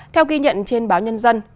theo ghi nhận trên báo nhân dân